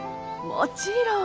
もちろん。